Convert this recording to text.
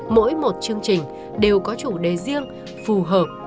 mỗi một chương trình đều có chủ đề riêng phù hợp